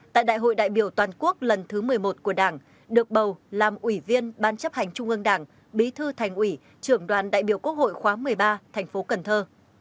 tại đại hội đại biểu toàn quốc lần thứ một mươi một của đảng được bầu làm ủy viên ban chấp hành trung ương đảng bí thư thành ủy trưởng đoàn đại biểu quốc hội khóa một mươi ba thành phố cần thơ